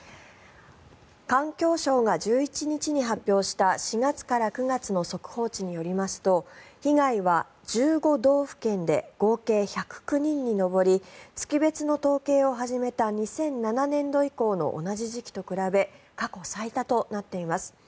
環境省が１１日に発表した４月から９月の速報値によりますと被害は１５道府県で合計１０９人に上り月別の統計を始めた２００７年度以降の同じ時期と比べ過去最多となっています。